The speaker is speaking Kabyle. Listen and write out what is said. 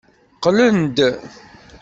Qqlen-d.